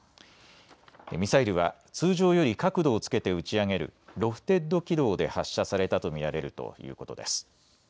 ミサイルは通常より角度をつけて打ち上げるロフテッド軌道で発射されたと見られるということです。